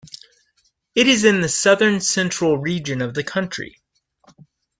It is in the southern central region of the country.